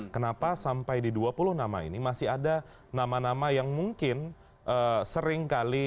kenapa sampai di dua puluh nama ini masih ada nama nama yang mungkin seringkali